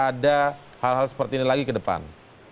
ada hal hal seperti ini lagi ke depan